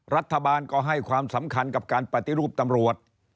รัฐบาลก็ให้ความสำคัญกับการปฏิรูปตำรวจ